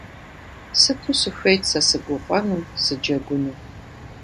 Сыту сыхуейт сэ сыгуфӀэну, сыджэгуну